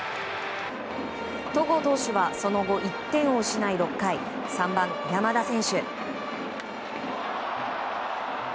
戸郷投手はその後１点を失い６回、３番山田選手。